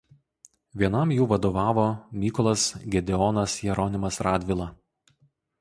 Vienam jų vadovavo Mykolas Gedeonas Jeronimas Radvila.